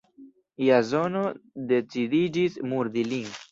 Jazono decidiĝis murdi lin.